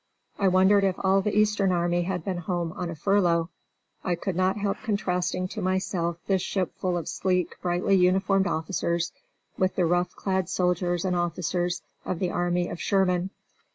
I wondered if all the Eastern army had been home on a furlough. I could not help contrasting to myself this ship full of sleek, brightly uniformed officers with the rough clad soldiers and officers of the army of Sherman.